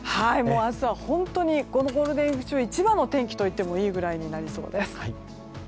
明日は本当にこのゴールデンウィーク中一番の天気といってもいいぐらいの天気になりそうです。